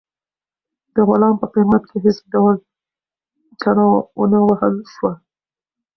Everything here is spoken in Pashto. د غلام په قیمت کې هیڅ ډول چنه ونه وهل شوه.